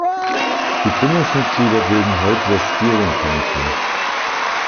Die Gründungsmitglieder bilden heute das Steering Committee.